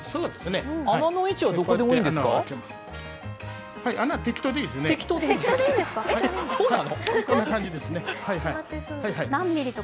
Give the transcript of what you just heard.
穴の位置はどこでもいいんですか？